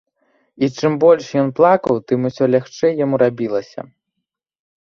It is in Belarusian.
І чым больш ён плакаў, тым усё лягчэй яму рабілася.